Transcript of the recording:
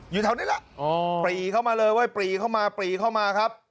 อยู่แถวนี้แหละปรีเข้ามาเลยเพื่อปรีเข้ามาครับ